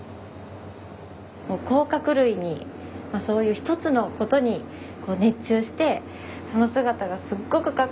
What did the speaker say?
甲殻類にそういう一つのことに熱中してその姿がすっごくかっこよかったです。